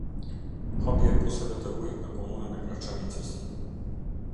Hapja e puseve të ujit në komunën e graçanicës